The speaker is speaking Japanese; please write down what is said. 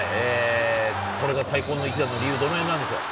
これが最高の一打の理由はどの辺なんでしょう？